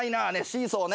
シーソーね。